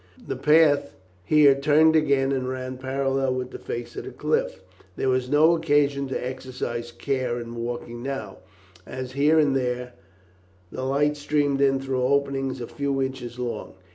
The path here turned again and ran parallel with the face of the cliff. There was no occasion to exercise care in walking now, as here and there the light streamed in through openings a few inches long.